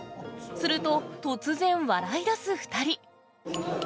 すると、突然笑いだす２人。